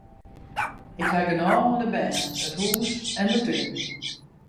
Ik haw genôch oan de bern, it hûs en de tún.